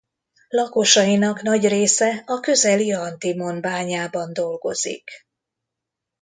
Lakosainak nagy része a közeli antimon-bányában dolgozik.